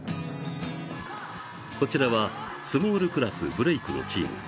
こちらはスモールクラスブレイクのチーム。